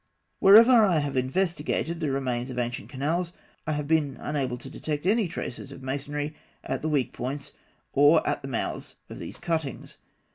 Wherever I have investigated the remains of ancient canals, I have been unable to detect any traces of masonry at the weak points, or at the mouths, of these cuttings.